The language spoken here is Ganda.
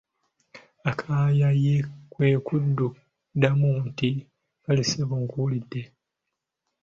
Akaya ye kwe kuddamu nti:"kaale ssebo nkuwulidde"